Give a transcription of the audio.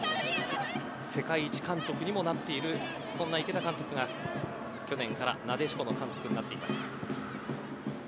世界一監督にもなっているそんな池田監督が去年からなでしこの監督になっています。